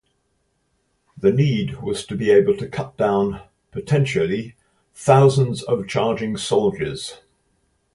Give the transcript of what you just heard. The need was to be able to cut down, potentially, thousands of charging soldiers.